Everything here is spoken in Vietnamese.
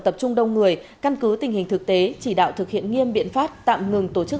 tập trung đông người căn cứ tình hình thực tế chỉ đạo thực hiện nghiêm biện pháp tạm ngừng tổ chức